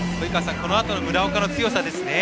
このあとの村岡の強さですね。